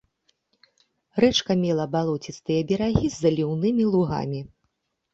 Рэчка мела балоцістыя берагі з заліўнымі лугамі.